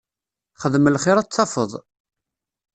Xdem lxir ad t-tafeḍ.